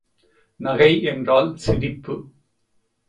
நகை என்றால் சிரிப்பு.